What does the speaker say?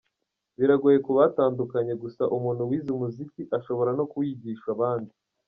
Biragoye kubatandukanye gusa umuntu wize umuziki, ashobora no kuwigisha abandi.